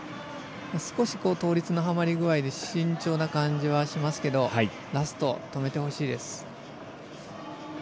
少し倒立の、はまり具合で慎重な感じはしますけどラスト、止めてほしいです。